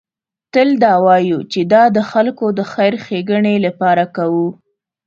تل دا وایو چې دا د خلکو د خیر ښېګڼې لپاره کوو.